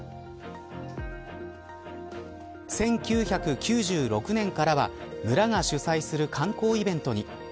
１９９６年からは村が主催する観光イベントに。